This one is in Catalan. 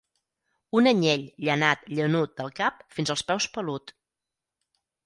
Un anyell llanat llanut del cap fins als peus pelut.